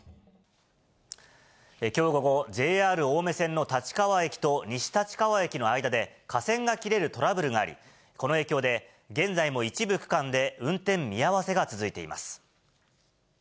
きょう午後、ＪＲ青梅線の立川駅と西立川駅の間で架線が切れるトラブルがあり、この影響で、現在も一部区間で運転見合わせが続いています。